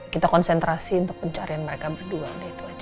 kita konsentrasi untuk pencarian mereka berdua udah itu aja